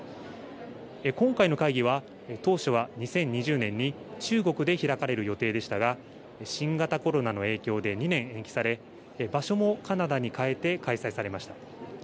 今回の会議は、当初は２０２０年に中国で開かれる予定でしたが、新型コロナの影響で２年延期され、場所もカナダにかえて開催されました。